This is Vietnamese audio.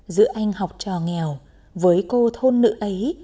giữa anh học trò nghèo với cô thôn nữ ấy